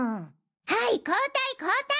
はい交代交代。